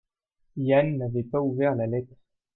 Yann n'avait pas ouvert la lettre.